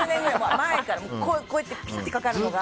こうやってピッてかかるのが。